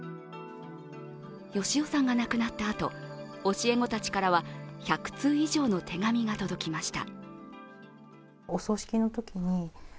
義男さんが亡くなったあと教え子たちからは１００通以上の手紙が届きました。